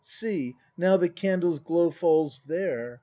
] See ! now the candle's glow falls — there!